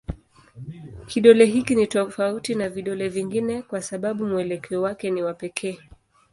Kidole hiki ni tofauti na vidole vingine kwa sababu mwelekeo wake ni wa pekee.